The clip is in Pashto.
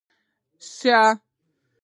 شي،